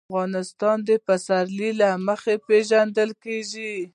افغانستان د پسرلی له مخې پېژندل کېږي.